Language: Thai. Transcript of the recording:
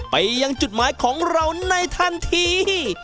ไปยังจุดหมายของเราในทันที